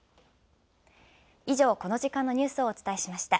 以上、この時間のニュースをお伝えしました。